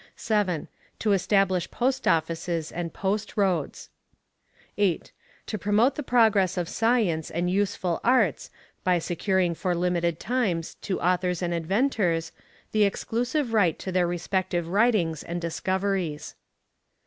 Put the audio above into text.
7. To establish post offices and post roads. 8. To promote the progress of science and useful arts by securing for limited times to authors and inventors the exclusive right to their respective writings and discoveries.